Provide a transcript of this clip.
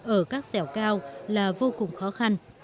ở các xẻo cao là vô cùng khó khăn